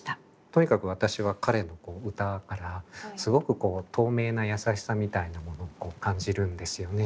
とにかく私は彼の歌からすごく透明なやさしさみたいなものを感じるんですよね。